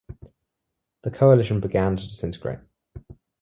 The Coalition began to disintegrate.